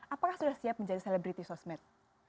apakah sudah siap menjadi selebriti sosmed